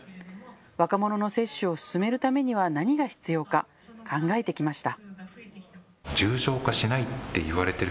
若者の接種を進めるためには何が必要か考えてきました。